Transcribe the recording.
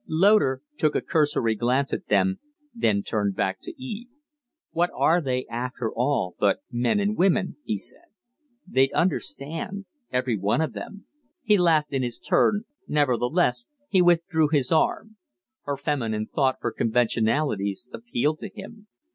Loder took a cursory glance at them, then turned back to Eve. "What are they, after all, but men and women?" he said. "They'd understand every one of them." He laughed in his turn; nevertheless he withdrew his arm. Her feminine thought for conventionalities appealed to him.